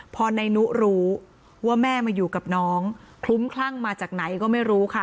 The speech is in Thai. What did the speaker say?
พอนายนุรู้ว่าแม่มาอยู่กับน้องคลุ้มคลั่งมาจากไหนก็ไม่รู้ค่ะ